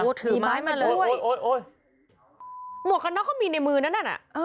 มีไม้มาด้วยโอ้ยหมวกอันนั้นก็มีในมือนั้นอ่ะ